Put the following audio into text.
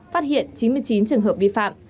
phát hiện chín mươi chín trường hợp vi phạm